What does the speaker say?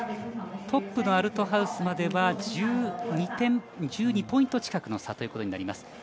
トップのアルトハウスまでは１２ポイント近くの差ということになります。